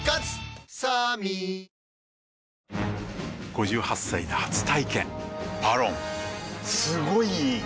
５８歳で初体験「ＶＡＲＯＮ」すごい良い！